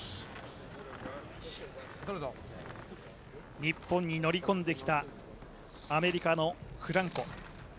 日本に乗り込んできたアメリカのフランコ。